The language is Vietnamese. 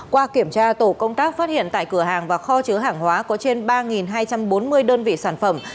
qua kiểm tra tổ công tác phát hiện tại cửa hàng và kho chứa hàng hóa có trên ba hai trăm bốn mươi đơn vị sản phẩm